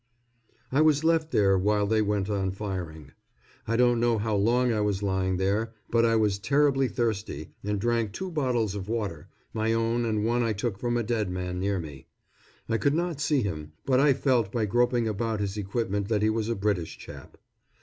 I was left there while they went on firing. I don't know how long I was lying there; but I was terribly thirsty, and drank two bottles of water my own and one I took from a dead man near me. I could not see him, but I felt by groping about his equipment that he was a British chap.